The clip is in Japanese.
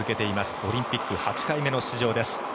オリンピック８回目の出場です。